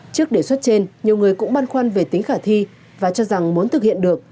trước đề xuất trên nhiều người cũng băn khoăn về tính khả thi và cho rằng muốn thực hiện được